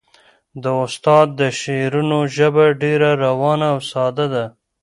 د استاد د شعرونو ژبه ډېره روانه او ساده ده.